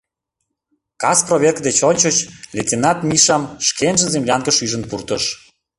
Кас проверка деч ончыч лейтенант Мишам шкежын землянкыш ӱжын пуртыш.